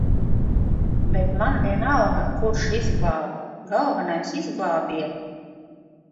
Bet man vienalga, kurš izglābj, galvenais izglābiet.